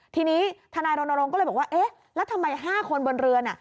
ทีนี้ทนายรณรงค์ก็เลยบอกว่าเอ๊ะแล้วทำไม๕คนบนเรือน่ะ